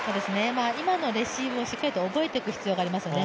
今のレシーブをしっかり覚えていく必要がありますね。